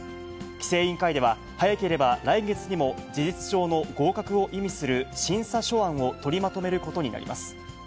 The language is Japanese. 規制委員会では、早ければ来月にも事実上の合格を意味する審査書案を取りまとめることになります。